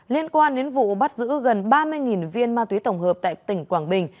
liên quan đến vụ bắt giữ gần ba mươi viên ma túy tổng hợp tại tỉnh quảng bình